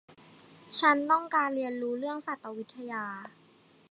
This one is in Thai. ฉันต้องการเรียนรู้เรื่องสัตววิทยา